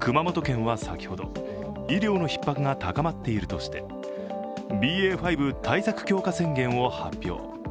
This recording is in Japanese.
熊本県は先ほど、医療のひっ迫が高まっているとしてＢＡ．５対策強化宣言を発表。